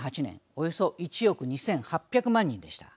およそ１億２８００万人でした。